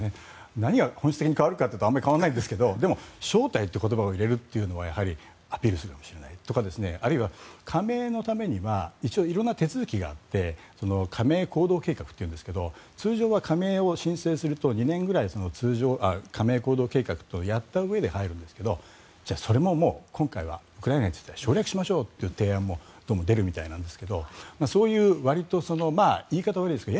何が本質的に変わるかというとあまり変わらないんですがでも、招待という言葉を入れるというのはアピールしているわけではないあるいは加盟のためには一応色んな手続きがあって加盟行動計画というんですが通常は加盟を申請すると２年ぐらい加盟行動計画とやったうえで入るんですがそれも今回はウクライナについては省略しましょうという提案もどうも出るみたいなんですがそういうわりと言い方は悪いですが